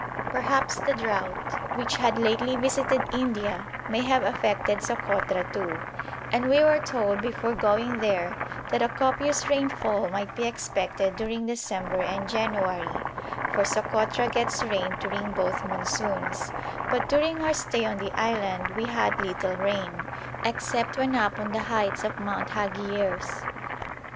Perhaps the drought which had lately visited India may have affected Sokotra too; and we were told before going there that a copious rainfall might be expected during December and January, for Sokotra gets rain during both monsoons; but during our stay on the island we had little rain, except when up on the heights of Mount Haghiers.